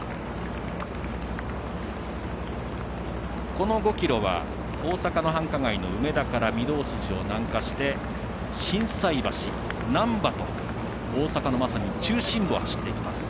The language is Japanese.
この５ｋｍは大阪の繁華街の梅田から御堂筋を南下して心斎橋、難波と大阪のまさに中心部を走っていきます。